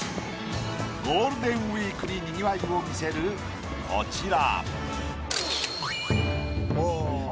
ゴールデンウイークににぎわいを見せるこちら。